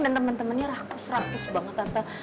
dan teman temannya rakus rakus banget tante